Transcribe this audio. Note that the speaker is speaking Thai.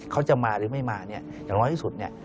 เขาจะมาหรือไม่มาอย่างน้อยที่สุด